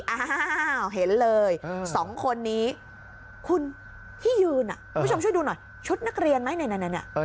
อ้าวเห็นเลยสองคนนี้คุณที่ยืนคุณผู้ชมช่วยดูหน่อยชุดนักเรียนไหมเนี่ย